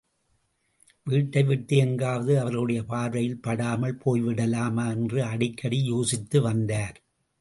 வீட்டை விட்டு எங்காவது அவர்களுடைய பார்வையில் படாமல் போய்விடலாமா என்று அடிக்கடி யோசித்து வந்தார்.